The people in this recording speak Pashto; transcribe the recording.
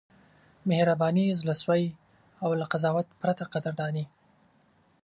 مهرباني، زړه سوی او له قضاوت پرته قدرداني: